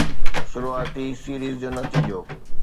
شروعاتي سيريز جو نتيجو